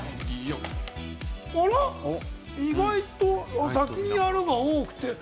意外と先にやるが多くて？